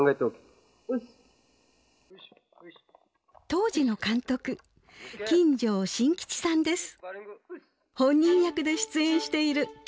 当時の監督本人役で出演している貴重な映像です。